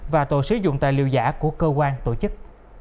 và tội sử dụng tài liệu giả của cơ quan tổ chức